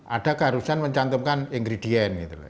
ada keharusan mencantumkan ingredient gitu loh